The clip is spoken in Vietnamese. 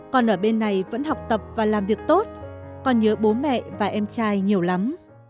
còn ở bên này vẫn học tập và làm việc tốt con nhớ bố mẹ và em trai nhiều lắm